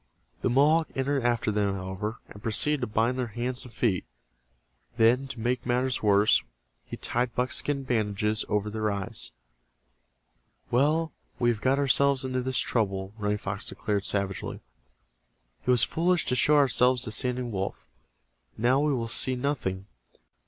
The Mohawk entered after them, however, and proceeded to bind their hands and feet. Then, to make matters worse, he tied buckskin bandages over their eyes. "Well, we have got ourselves into this trouble," Running Fox declared, savagely. "It was foolish to show ourselves to Standing Wolf. Now we will see nothing.